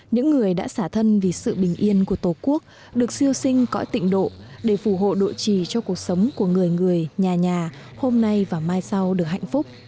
những người đã xả thân vì sự bình yên của tổ quốc được siêu sinh cõi tịnh độ để phù hộ độ trì cho cuộc sống của người người nhà nhà hôm nay và mai sau được hạnh phúc